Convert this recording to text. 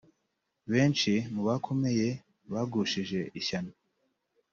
Benshi mu bakomeye bagushije ishyano,